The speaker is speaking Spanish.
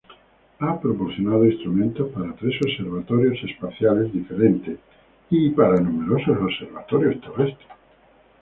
Ha proporcionado instrumentos para tres observatorios espaciales diferentes y para numerosos observatorios terrestres.